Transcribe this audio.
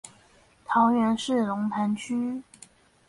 桃園市龍潭區